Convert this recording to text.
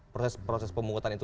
proses proses pemungutan itu